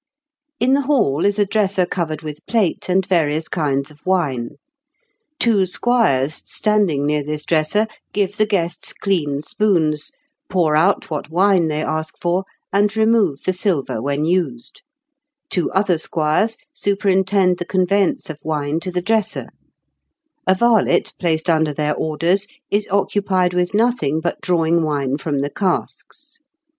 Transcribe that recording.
_ In the hall is a dresser covered with plate and various kinds of wine. Two squires standing near this dresser give the guests clean spoons, pour out what wine they ask for, and remove the silver when used; two other squires superintend the conveyance of wine to the dresser; a varlet placed under their orders is occupied with nothing but drawing wine from the casks."